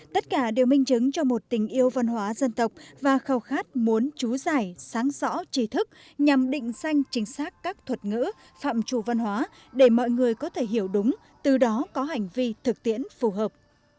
tất cả đều minh chứng cho một tình yêu văn hóa dân tộc và khâu khát muốn trú giải sáng rõ trí thức nhằm định danh chính xác các thuật ngữ phạm trù văn hóa để mọi người có thể hiểu đúng từ đó có hành vi thực tiễn phù hợp